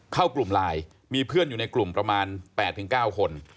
เข้ากลุ่มไลน์มีเพื่อนอยู่ในกลุ่มประมาณ๘๙คน